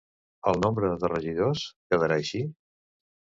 El nombre de regidors quedarà així?